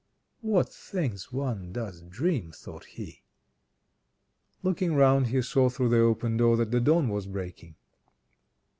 "What things one does dream," thought he. Looking round he saw through the open door that the dawn was breaking.